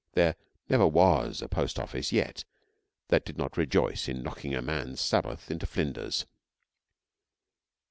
There never was a post office yet that did not rejoice in knocking a man's Sabbath into flinders.